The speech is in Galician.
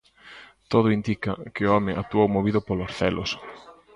Todo indica que o home actuou movido polos celos.